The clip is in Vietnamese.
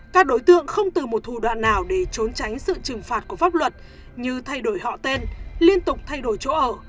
các đối tượng không từ một thủ đoạn nào để trốn tránh sự trừng phạt của pháp luật như thay đổi họ tên liên tục thay đổi chỗ ở